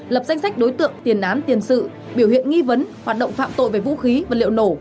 lập danh sách đối tượng tiền án tiền sự biểu hiện nghi vấn hoạt động phạm tội về vũ khí vật liệu nổ